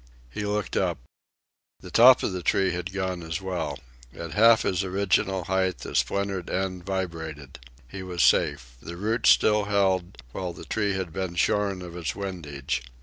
He looked up. The top of the tree had gone as well. At half its original height, a splintered end vibrated. He was safe. The roots still held, while the tree had been shorn of its windage.